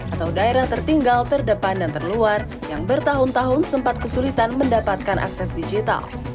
atau daerah tertinggal terdepan dan terluar yang bertahun tahun sempat kesulitan mendapatkan akses digital